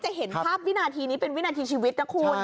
เห็นภาพวินาทีนี้เป็นวินาทีชีวิตนะคุณ